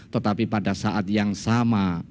tetapi pada saat yang sama